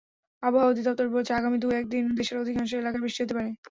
আবহাওয়া অধিদপ্তর বলছে, আগামী দু-এক দিন দেশের অধিকাংশ এলাকায় বৃষ্টি হতে পারে।